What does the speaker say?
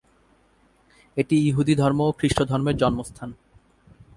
এটি ইহুদি ধর্ম ও খ্রিস্টধর্মের জন্মস্থান।